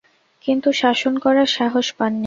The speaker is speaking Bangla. কিন্তু শাসন করার সাহস পাননি।